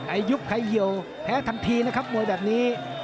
อายุใครเหี่ยวแพ้ทันทีนะครับมวยแบบนี้